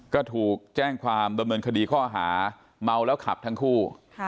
ก็ถูกแจ้งความดำเนินคดีข้อหาเมาแล้วขับทั้งคู่